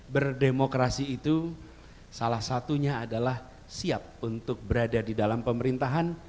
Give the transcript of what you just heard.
berdemokrasi dan kemampuan untuk berjalan dengan baik